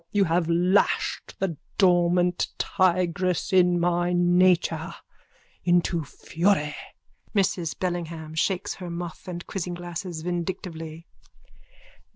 You have lashed the dormant tigress in my nature into fury. MRS BELLINGHAM: _(Shakes her muff and quizzing glasses vindictively.)